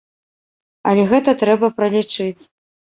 Але гэта трэба пралічыць.